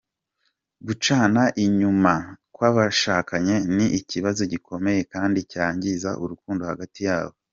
Gucana inyuma kwabashakanye ni ikibazo gikomeye kandi cyangiza urukundo hagati yabo.